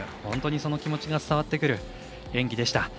本当にその気持ちが伝わってくる演技でした。